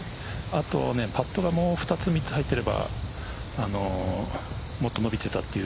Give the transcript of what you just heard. あとはパットでもう２つ３つ入っていればもっと伸びていたと。